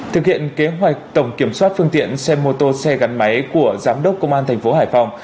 thực hiện kế hoạch tổng kiểm soát phương tiện xe mô tô xe gắn máy của giám đốc công an thành phố hải phòng